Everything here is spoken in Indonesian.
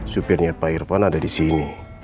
sopirnya pak irvan ada di sini